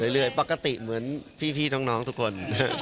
เรื่อยปกติเหมือนพี่น้องทุกคน